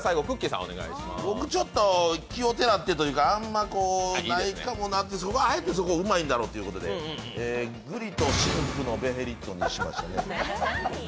僕、ちょっと奇をてらってというか、あんま、ないかもなってあえてそこはうまいんだろうってグリと深紅のベヘリットにしました。